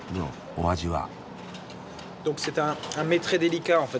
お味は。